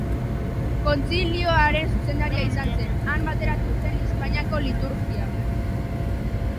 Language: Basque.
Kontzilioaren zuzendaria izan zen; han bateratu zen Hispaniako liturgia.